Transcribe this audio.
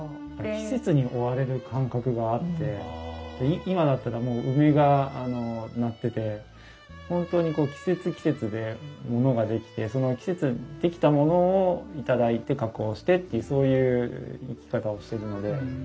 季節に追われる感覚があって今だったらもう梅がなってて本当に季節季節でものが出来てその季節に出来たものを頂いて加工してっていうそういう生き方をしてるので。